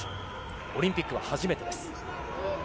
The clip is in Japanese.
オリンピックは初めてです。